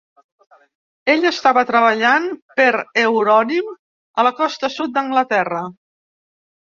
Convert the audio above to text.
Ell estava treballant per Euromin a la costa sud d'Anglaterra.